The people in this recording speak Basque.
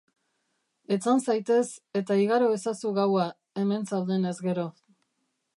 Etzan zaitez eta igaro ezazu gaua, hemen zaudenez gero.